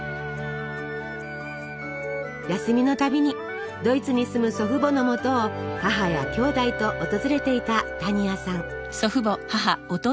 休みのたびにドイツに住む祖父母のもとを母やきょうだいと訪れていた多仁亜さん。